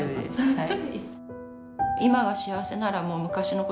はい。